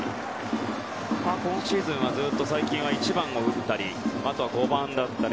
今シーズンはずっと最近は１番を打ったりあとは５番だったり。